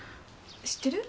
知ってる？